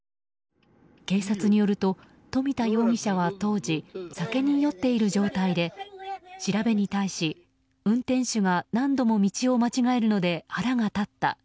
警察によると、富田容疑者は当時酒に酔っている状態で調べに対し、運転手が何度も道を間違えるので腹が立った。